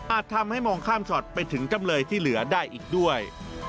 ทำให้มองข้ามช็อตไปถึงจำเลยที่เหลือได้อีกด้วย